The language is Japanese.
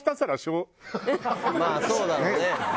まあそうだろうね。